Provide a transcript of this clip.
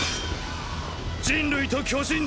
人類と巨人共